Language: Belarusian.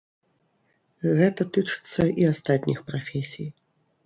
Гэта тычыцца і астатніх прафесій.